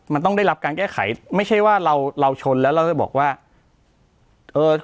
มันต้องได้รับการแก้ไขไม่ใช่ว่าเราเราชนแล้วเราจะบอกว่าเออ